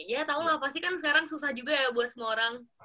ya tau gak pasti kan sekarang susah juga ya buat semua orang